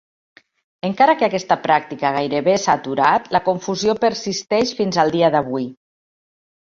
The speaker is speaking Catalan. Encara que aquesta pràctica gairebé s'ha aturat, la confusió persisteix fins al dia d'avui.